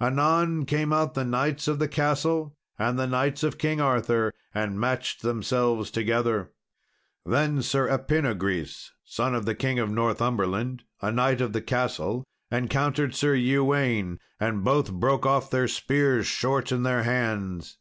Anon came out the knights of the castle and the knights of King Arthur, and matched themselves together. Then Sir Epinogris, son of the King of Northumberland, a knight of the castle, encountered Sir Ewaine, and both broke off their spears short to their hands.